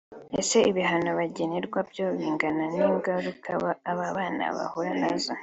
Ese ibihano bagenerwa byo bingana n’ingaruka aba bana bahura nazo